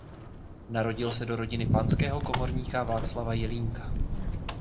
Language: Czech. Narodil se do rodiny panského komorníka Václava Jelínka.